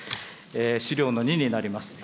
資料の２になります。